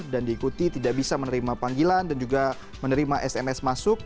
dan diikuti tidak bisa menerima panggilan dan juga menerima sms masuk